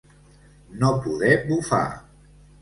No poder bufar.